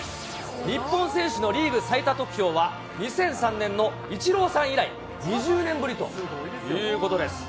日本選手のリーグ最多得票は、２００３年のイチローさん以来２０年ぶりということです。